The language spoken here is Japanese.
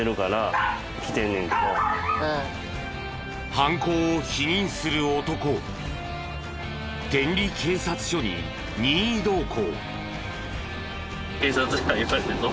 犯行を否認する男を天理警察署に任意同行。